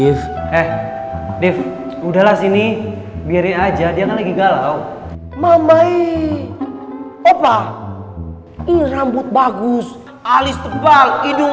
pernah diif eh udah lah sini biarin aja dia lagi galau mama ih opa rambut bagus alis tebal hidung